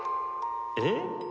えっ？